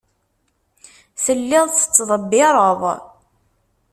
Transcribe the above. Telliḍ tettḍebbireḍ.